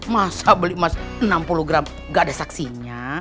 masa beli emas enam puluh gram gak ada saksinya